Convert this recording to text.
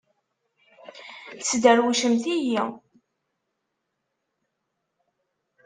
Tesderwcemt-iyi!